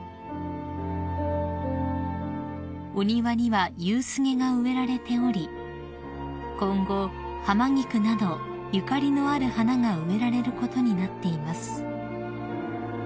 ［お庭にはユウスゲが植えられており今後ハマギクなどゆかりのある花が植えられることになっています］